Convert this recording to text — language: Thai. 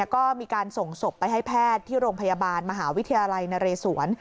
ก็มีการส่งศพไปให้แพทย์ที่โรงพยาบาลมหาวิทยาลัยนเรศวร